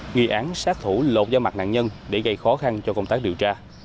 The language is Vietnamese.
nghi án sát thủ lột da mặt nạn nhân để gây khó khăn cho công tác điều tra